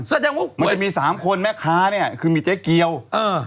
แสดงว่ามันจะมีสามคนแม่ค้าเนี้ยคือมีเจ๊เกียวเออ